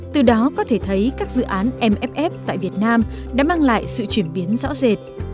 từ đó có thể thấy các dự án mff tại việt nam đã mang lại sự chuyển biến rõ rệt